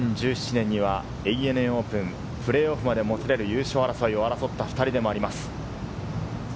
２０１７年にはＡＮＡオープン、プレーオフまでもつれる優勝争いを争った２人でもあります。